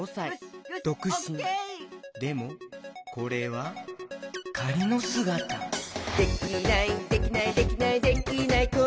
でもこれはかりのすがた「できないできないできないできない子いないか」